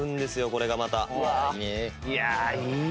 これがまた。